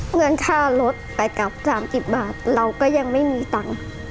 เงินค่ารถไปกลับ๓๐บาทเราก็ยังไม่มีตังค์